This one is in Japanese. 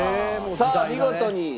さあ見事に。